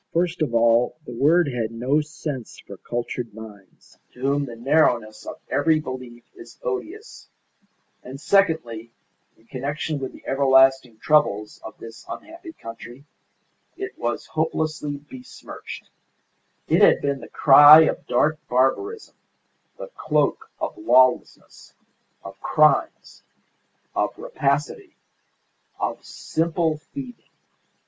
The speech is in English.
First of all, the word had no sense for cultured minds, to whom the narrowness of every belief is odious; and secondly, in connection with the everlasting troubles of this unhappy country it was hopelessly besmirched; it had been the cry of dark barbarism, the cloak of lawlessness, of crimes, of rapacity, of simple thieving.